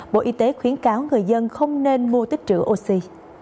bộ y tế khuyến cáo người dân không nên mua tích trữ oxy